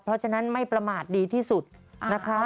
เพราะฉะนั้นไม่ประมาทดีที่สุดนะครับ